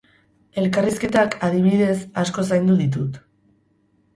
Elkarrizketak, adibidez, asko zaindu ditut.